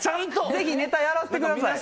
ぜひネタやらせてください。